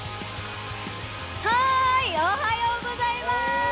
はーい、おはようございます！